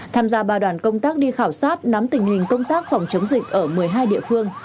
tham gia ba đoàn công tác đi khảo sát nắm tình hình công tác phòng chống dịch ở một mươi hai địa phương